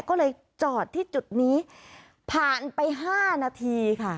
ก็เลยจอดที่จุดนี้ผ่านไป๕นาทีค่ะ